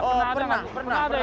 oh pernah pernah